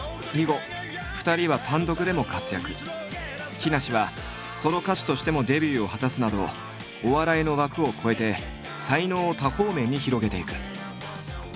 木梨はソロ歌手としてもデビューを果たすなどお笑いの枠を超えて才能を多方面に広げていく。